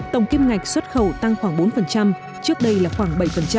tổng kim ngạch xuất khẩu tăng khoảng bốn trước đây là khoảng bảy